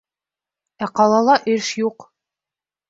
Ә ҡалала эш юҡ!